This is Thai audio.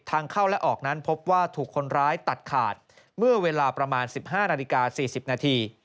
ทางเข้าและออกนั้นพบว่าถูกคนร้ายตัดขาดเมื่อเวลาประมาณ๑๕นาฬิกา๔๐นาที